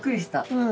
うん。